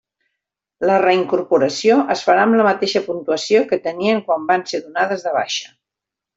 La reincorporació es farà amb la mateixa puntuació que tenien quan van ser donades de baixa.